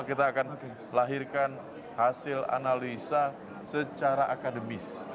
kita akan lahirkan hasil analisa secara akademis